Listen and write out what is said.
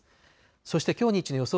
そしてきょう日中の予想